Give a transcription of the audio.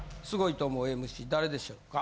凄いと思うＭＣ誰でしょうか？